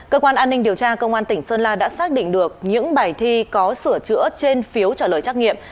cơ quan an ninh điều tra công an tỉnh sơn la đã xác định được những bài thi có sửa chữa trên phiếu trả lời trắc nghiệm